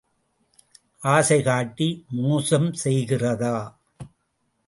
ஆசை காட்டி மோசம் செய்கிறதா?